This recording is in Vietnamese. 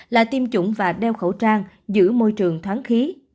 là tiêm chủng và đeo khẩu trang giữ môi trường thoáng khí